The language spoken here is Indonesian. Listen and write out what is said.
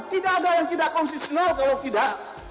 tidak ada yang tidak konstitusional kalau tidak